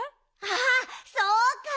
あっそうか！